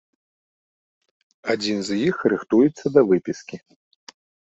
Адзін з іх рыхтуецца да выпіскі.